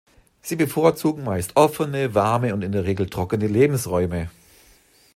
Sie bevorzugen meist offene, warme und in der Regel trockene Lebensräume.